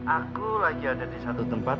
aku lagi ada di satu tempat